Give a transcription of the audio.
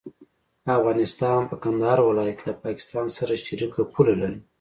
افغانستان په کندهار ولايت کې له پاکستان سره شریکه پوله لري.